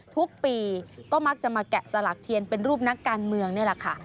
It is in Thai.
ทุกปีก็มักจะมาแกะสลักเทียนเป็นรูปนักการเมืองนี่แหละค่ะ